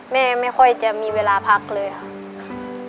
ไม่ค่อยจะมีเวลาพักเลยค่ะ